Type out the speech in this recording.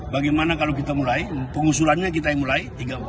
bagaimana kalau kita mulai pengusulannya kita mulai